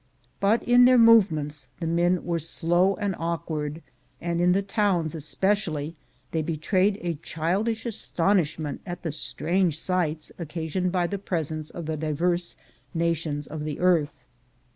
But in their movements the men were slow and' awkward, and in the towns especially they betrayed a childish astonishment at the strange sights occasioned by the presence of the divers nations of the earth.